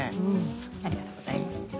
ありがとうございます。